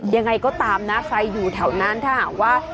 ยังไงก็ตามนะใครอยู่แถวนั้นถ้าหากว่า